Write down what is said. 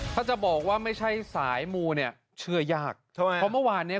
ถ้าจะบอกว่าไม่ใช่สายมูเนี่ยเชื่อยากใช่ไหมเพราะเมื่อวานเนี้ย